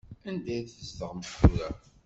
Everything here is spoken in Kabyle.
Anda i tzedɣemt tura?